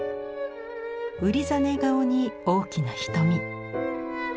うりざね顔に大きな瞳。